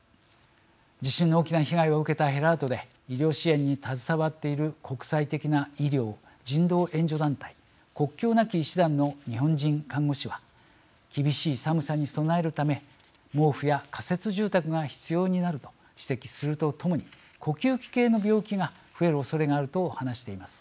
地震の大きな被害を受けたヘラートで医療支援に携わっている国際的な医療・人道援助団体国境なき医師団の日本人看護師は厳しい寒さに備えるため毛布や仮設住宅が必要になると指摘するとともに呼吸器系の病気が増えるおそれがあると話しています。